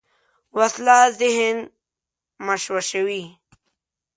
وسله ذهن مشوشوي